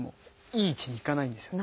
いい位置にいかないんですよ。